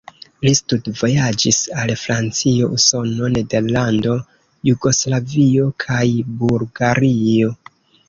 Li studvojaĝis al Francio, Usono, Nederlando, Jugoslavio kaj Bulgario.